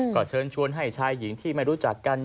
ก็เชิญชวนให้ชายหญิงที่ไม่รู้จักกัน